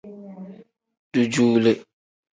Dujuule.